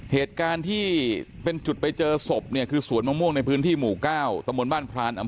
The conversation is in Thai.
เหตุการณ์ที่เป็นจุดไปเจอศพเนี่ยคือสวนมะม่วงในพื้นที่หมู่เก้าตะมนต์บ้านพราน